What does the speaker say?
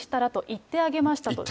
言ってあげましたと。